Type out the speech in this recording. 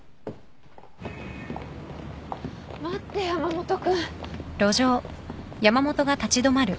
待って山本君。